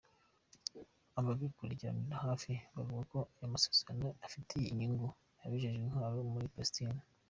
Ababikurikiranira hafi bavuga ko ayo masezerano afitiye inyungu abajejwe intwaro muri Palestine.